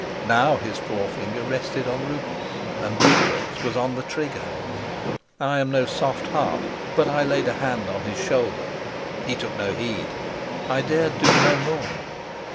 Now his forefinger rested on Rupert's and Rupert's was on the trigger. I am no soft heart, but I laid a hand on his shoulder. He took no heed; I dared do no more.